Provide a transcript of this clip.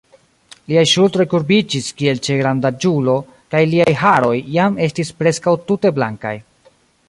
Liaj ŝultroj kurbiĝis, kiel ĉe grandaĝulo, kaj liaj haroj jam estis preskaŭ tute blankaj.